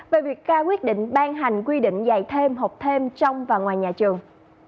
về việc ra quyết định ban hành quy định dạy thêm học thêm trong và ngoài nhà trường